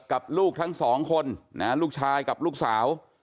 กับลูกทั้งสองคนลูกชายกับลูกสาว